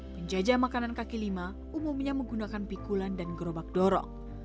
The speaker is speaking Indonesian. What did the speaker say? penjajah makanan kaki lima umumnya menggunakan pikulan dan gerobak dorong